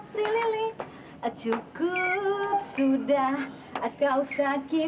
bulan depan aku ganti